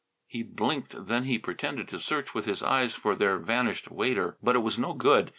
He blinked, then he pretended to search with his eyes for their vanished waiter. But it was no good.